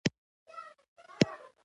درناوی د ټولنیز امن تر ټولو مهم عامل دی.